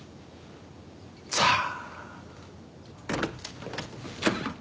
さあ。